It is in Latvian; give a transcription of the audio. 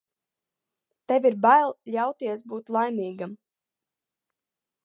Tev ir bail ļauties būt laimīgam.